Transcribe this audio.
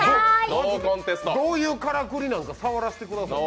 どういうからくりなんか触らせてください！